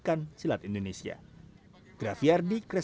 dan juga olimpiade